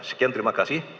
sekian terima kasih